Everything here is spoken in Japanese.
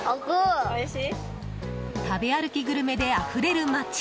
食べ歩きグルメであふれる街。